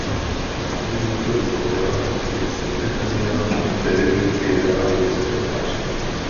Hlavní výkonný orgán je sekretariát pod vedením generálního sekretáře.